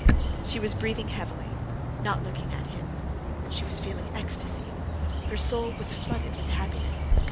She was breathing heavily, not looking at him. She was feeling ecstasy. Her soul was flooded with happiness.